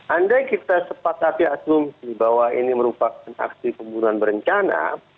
andai kita sepakati asumsi bahwa ini merupakan aksi pembunuhan berencana